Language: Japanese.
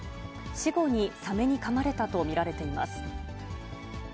死後にサメにかまれたと見られています。